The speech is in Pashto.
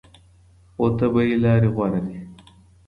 خو طبیعي لارې غوره دي.